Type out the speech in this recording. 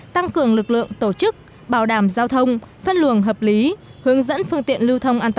tăng cường lực lượng tổ chức bảo đảm giao thông phân luồng hợp lý